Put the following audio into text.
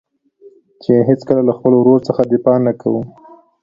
چې هېڅکله له خپل ورور څخه دفاع نه کوم.